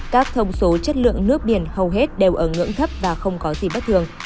các thông số chất lượng nước biển hầu hết đều ở ngưỡng thấp và không có gì bất thường